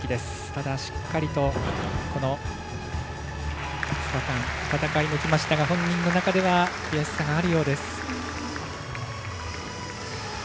ただ、しっかりと、この２日間戦い抜きましたが本人の中では悔しさがあるようです。